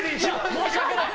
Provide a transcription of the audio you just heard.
申し訳ない。